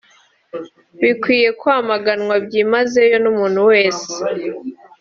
bikwiye kwamaganwa byimazeyo n’umuntu wese